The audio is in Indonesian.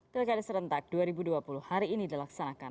pilkada serentak dua ribu dua puluh hari ini dilaksanakan